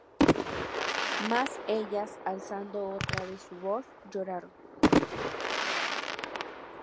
Mas ellas alzando otra vez su voz, lloraron.